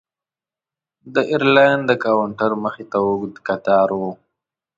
د ایرلاین د کاونټر مخې ته اوږد کتار و.